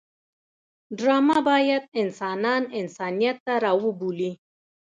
ډرامه باید انسانان انسانیت ته راوبولي